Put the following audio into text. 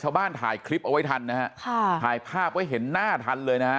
ถ่ายคลิปเอาไว้ทันนะฮะค่ะถ่ายภาพไว้เห็นหน้าทันเลยนะฮะ